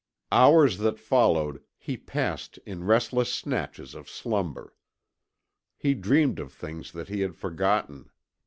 Hours that followed he passed in restless snatches of slumber. He dreamed of things that he had forgotten.